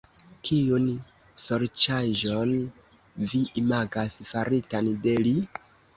Kiun sorĉaĵon vi imagas, faritan de li?